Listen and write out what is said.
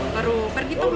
terus pergi tuh mie